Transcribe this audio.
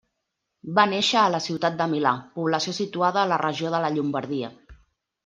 Va néixer a la ciutat de Milà, població situada a la regió de la Llombardia.